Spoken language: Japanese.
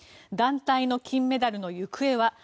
団体の金メダルの行方は。